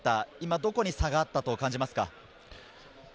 どこに差があったと感じますか？